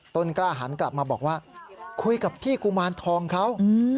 ต้นกล้าหันกลับมาบอกว่าคุยกับพี่กุมารทองเขา